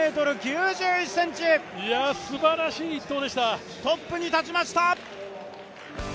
いや、すばらしい一投でしたトップに立ちました！